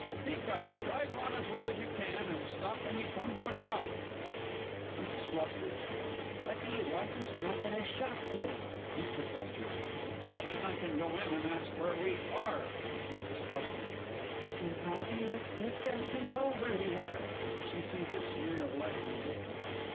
Peacock, drive on as well as you can, and stop when you come to a shop. MRS. F. What do you want to stop at a shop for? MR. F. Why, then I can go in, and ask where we are. MRS. F. And how do you expect them to know where we are! (_She sees a smear of light in the distance.